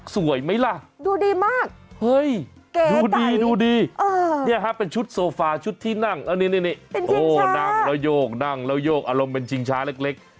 สวยไหมล่ะเฮ้ยดูดีเป็นชุดโซฟาชุดที่นั่งแล้วนี่นั่งแล้วยกอารมณ์เป็นชิงช้าเล็ก